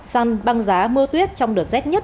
săn băng giá mưa tuyết trong đợt rét nhất